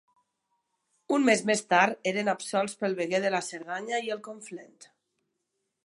Un mes més tard eren absolts pel veguer de la Cerdanya i el Conflent.